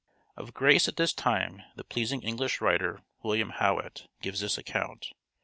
Of Grace at this time the pleasing English writer, William Howitt, gives this account.